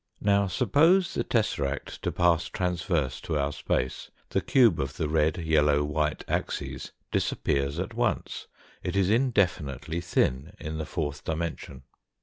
Now suppose the tesseract to pass transverse to our space, the cube of the red, yellow, white axes disappears at once, it is indefinitely thin in the fourth dimension.